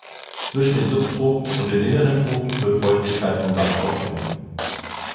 Zwischen den Subtropen und den inneren Tropen wird Feuchtigkeit vom Land aufgenommen.